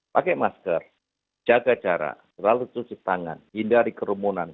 pakai masker jaga jarak selalu cuci tangan hindari kerumunan